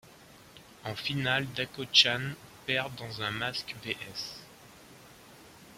En finale, Dakko Chan perd dans un mask vs.